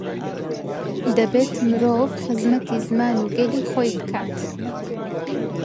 دەبێت مرۆڤ خزمەتی زمان و گەلی خۆی بکات.